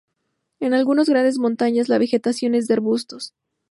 En algunas grandes montañas la vegetación es de arbustos.